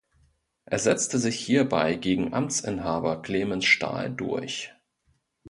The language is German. Er setzte sich hierbei gegen Amtsinhaber Clemens Stahl durch.